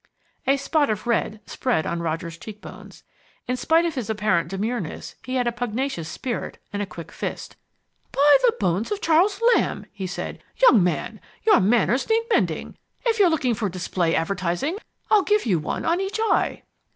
A spot of red spread on Roger's cheekbones. In spite of his apparent demureness he had a pugnacious spirit and a quick fist. "By the bones of Charles Lamb!" he said. "Young man, your manners need mending. If you're looking for display advertising, I'll give you one on each eye."